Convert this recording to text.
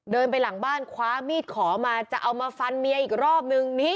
ไปหลังบ้านคว้ามีดขอมาจะเอามาฟันเมียอีกรอบนึง